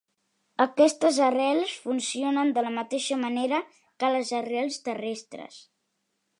Aquestes arrels funcionen de la mateixa manera que les arrels terrestres.